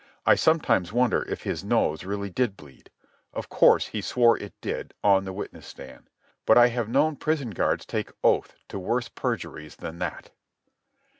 I sometimes wonder if his nose really did bleed. Of course he swore it did, on the witness stand. But I have known prison guards take oath to worse perjuries than that.